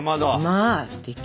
まあすてき。